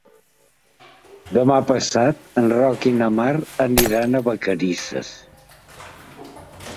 Demà passat en Roc i na Mar aniran a Vacarisses.